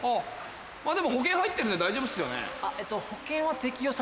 でも保険入ってるんで大丈夫っすよね？